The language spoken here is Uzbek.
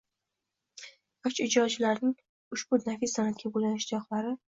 yosh ijrochilarning ushbu nafis san’atga bo‘lgan ishtiyoqlari